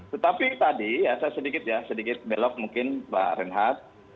tetapi tadi ya saya sedikit ya sedikit belok mungkin pak renhat